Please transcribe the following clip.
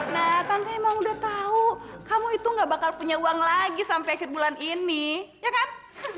nah kan emang udah tahu kamu itu gak bakal punya uang lagi sampai akhir bulan ini ya kan